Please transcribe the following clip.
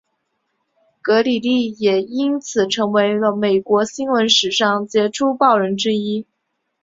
格里利也因此成为了美国新闻史上杰出报人之一。